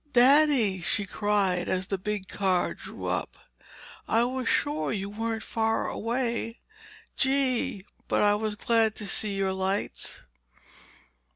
"Daddy!" she cried as the big car drew up. "I was sure you weren't far away. Gee! but I was glad to see your lights."